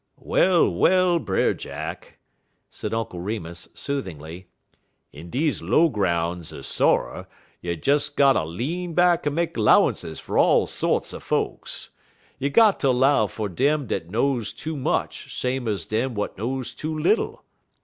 "Well, well, Brer Jack," said Uncle Remus, soothingly, "in deze low groun's er sorrer, you des got ter lean back en make 'lowances fer all sorts er folks. You got ter 'low fer dem dat knows too much same ez dem w'at knows too little.